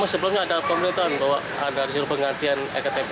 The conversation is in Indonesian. mas sebelumnya ada kompletan bahwa ada hasil penggantian iktp